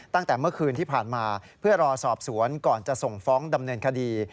ตั้งแต่เมื่อคืนที่ผ่านมาเพื่อรอสอบสวนก่อนจะส่งฟ้องดำเนินคดี